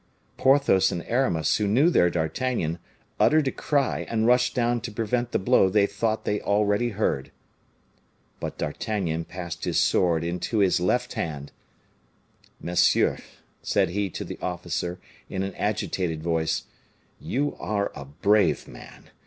Porthos and Aramis, who knew their D'Artagnan, uttered a cry, and rushed down to prevent the blow they thought they already heard. But D'Artagnan passed his sword into his left hand, "Monsieur," said he to the officer, in an agitated voice, "you are a brave man.